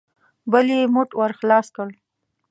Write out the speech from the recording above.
بل يې موټ ور خلاص کړ.